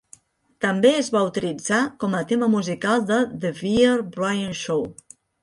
També es va utilitzar com a tema musical de "The Bear Bryant Show".